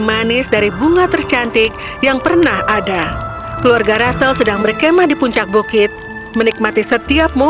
aku suka berkemah di sini ayah